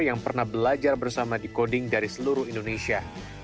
yang pernah belajar bersama decoding dari seluruh indonesia